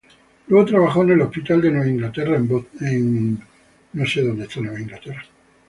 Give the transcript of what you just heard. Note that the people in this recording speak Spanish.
Luego trabajó en el Hospital de Nueva Inglaterra en Boston.